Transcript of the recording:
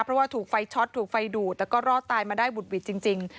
เพราะว่าถูกไฟช็อตถูกไฟดูดแล้วก็รอดตายมาได้บุดหวิดจริง